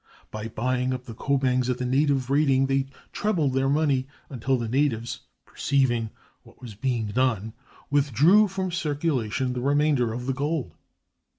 By buying up the kobangs at the native rating they trebled their money, until the natives, perceiving what was being done, withdrew from circulation the remainder of the gold."